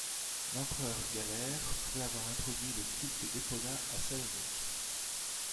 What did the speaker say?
L'empereur Galère pourrait avoir introduit le culte d'Épona à Salonique.